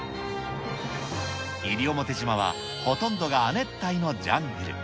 西表島はほとんどが亜熱帯のジャングル。